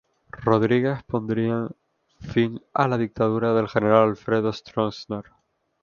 Rodríguez- pondría fin a la dictadura del general Alfredo Stroessner.